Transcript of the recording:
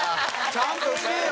ちゃんとしてよ。